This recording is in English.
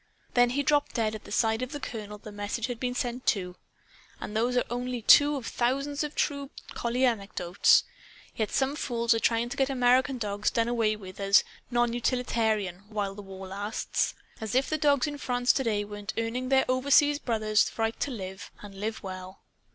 Then he dropped dead at the side of the Colonel the message had been sent to. And those are only two of thousands of true collie anecdotes. Yet some fools are trying to get American dogs done away with, as 'non utilitarian,' while the war lasts! As if the dogs in France, today, weren't earning their overseas brothers' right to live and live well!"